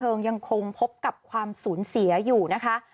ยังคงพบกับความสูญเสียอยู่นะคะ